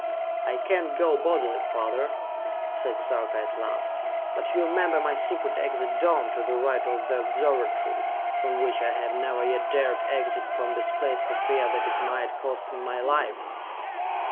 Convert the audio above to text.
"I can't go bodily, father," said Sarka at last, "but you remember my secret exit dome, to the right of the observatory, from which I have never yet dared exit from this place for fear that it might cost me my life?"